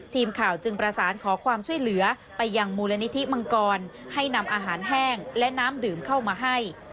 ทีมข่าวจึงประสานขอความช่วยเหลือไปยังมูลนิธิมังกรให้นำอาหารแห้งและน้ำดื่มเข้ามาให้